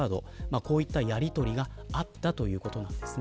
こういったやりとりがあったということなんですね。